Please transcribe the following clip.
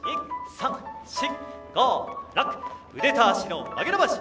腕と脚の曲げ伸ばし。